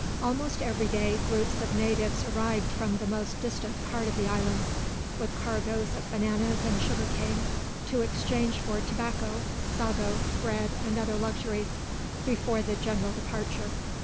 Almost every day groups of natives arrived from the most distant parts of the islands, with cargoes of bananas and sugar cane to exchange for tobacco, sago, bread, and other luxuries, before the general departure.